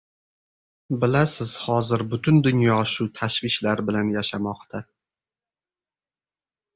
Bilasiz, hozir butun dunyo shu tashvishlar bilan yashamoqda.